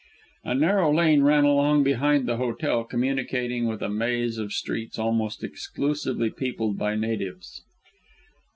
A narrow lane ran along behind the hotel, communicating with a maze of streets almost exclusively peopled by natives.